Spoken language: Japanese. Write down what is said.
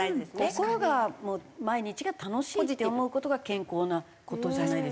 心が毎日が楽しいって思う事が健康な事じゃないですか。